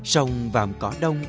sông vòng cỏ đông